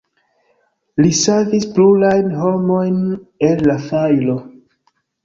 Li savis plurajn homojn el la fajro.